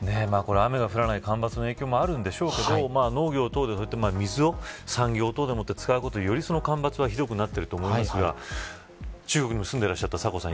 雨が降らない干ばつの影響もあるんでしょうけれど農業等で水を産業で使うことでより、干ばつがひどくなっていると思いますが中国に住んでいらっしゃったサコさん